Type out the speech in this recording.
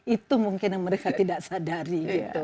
itu mungkin yang mereka tidak sadari